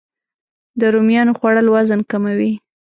د رومیانو خوړل وزن کموي